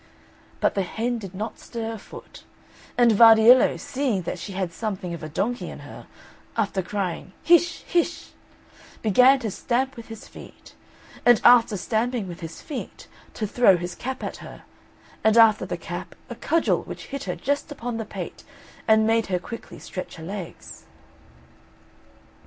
But the hen did not stir a foot; and Vardiello, seeing that she had something of the donkey in her, after crying "Hish, hish," began to stamp with his feet; and after stamping with his feet to throw his cap at her, and after the cap a cudgel which hit her just upon the pate, and made her quickly stretch her legs.